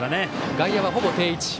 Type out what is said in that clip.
外野はほぼ定位置。